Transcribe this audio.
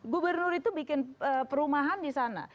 gubernur itu bikin perumahan di sana